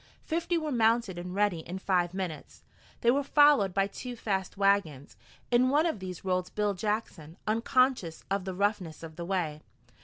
Fifty were mounted and ready in five minutes. They were followed by two fast wagons. In one of these rolled Bill Jackson, unconscious of the roughness of the way.